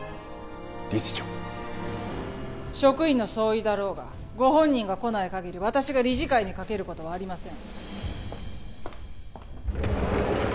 理事長職員の総意だろうがご本人が来ないかぎり私が理事会にかけることはありません